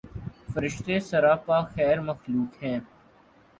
فرشتے سراپاخیر مخلوق ہیں